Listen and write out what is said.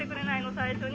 最初に。